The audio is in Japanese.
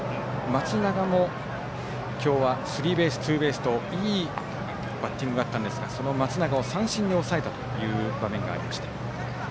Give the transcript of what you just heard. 松永も今日はスリーベース、ツーベースといいバッティングがあったんですが、その松永を三振で抑えたという場面がありました。